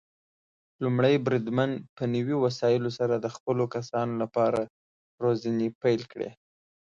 لومړی بریدمن په نوي وسايلو سره د خپلو کسانو لپاره روزنې پيل کړي.